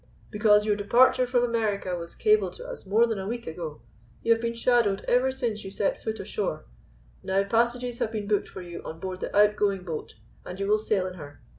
"Because your departure from America was cabled to us more than a week ago. You have been shadowed ever since you set foot ashore. Now passages have been booked for you on board the outgoing boat, and you will sail in her.